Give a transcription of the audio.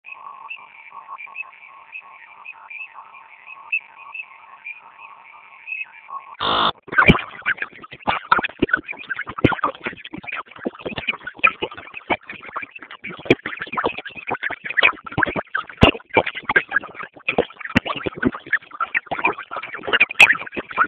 majeshi ya Kongo na Uganda yalitia saini Juni mosi kuongeza muda wa operesheni zao za kijeshi